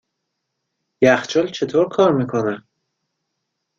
یخچال چطور کار میکند؟